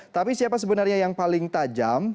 tapi siapa sebenarnya yang paling tajam